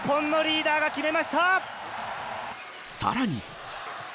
さらに。